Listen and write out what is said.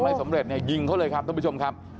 แล้วสมเร็จก็ยิงเขาเลยครับท่านผู้ชมครับ